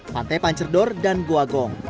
pantai pancerdor dan guagong